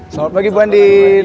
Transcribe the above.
selamat pagi bu andien